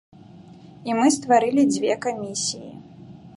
І мы стварылі дзве камісіі.